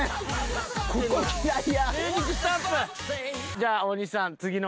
じゃあ大西さん次の。